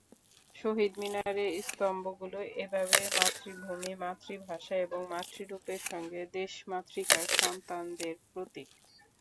শহীদ মিনারের স্তম্ভগুলো এভাবে মাতৃভূমি-মাতৃভাষা এবং মাতৃরূপের সঙ্গে দেশমাতৃকার সন্তানদের প্রতীক।